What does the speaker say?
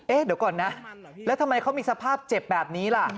เดี๋ยวก่อนนะแล้วทำไมเขามีสภาพเจ็บแบบนี้ล่ะ